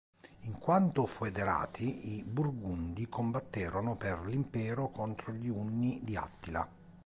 In quanto "foederati", i Burgundi combatterono per l'Impero contro gli Unni di Attila.